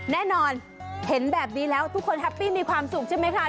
แน่นอนเห็นแบบนี้แล้วทุกคนแฮปปี้มีความสุขใช่ไหมคะ